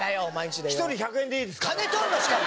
１人１００円でいいですから。